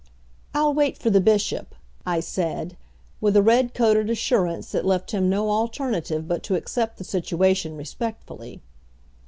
"I'll wait for the Bishop," I said, with a red coated assurance that left him no alternative but to accept the situation respectfully.